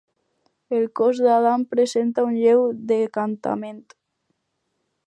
El cos d'Adam presenta un lleu decantament.